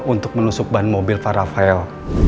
untuk menusuk ban mobil para fail